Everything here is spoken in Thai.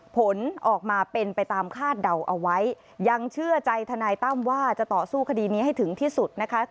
ผลออกมาเป็นไปตามคาดเดาเอาไว้ยังเชื่อใจทนายตั้มว่าจะต่อสู้คดีนี้ให้ถึงที่สุดนะคะ